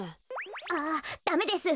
あダメです。